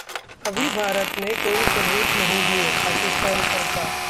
अभी भारत ने कोई सबूत नहीं दिएः पाकिस्तान सरकार